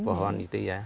pohon itu ya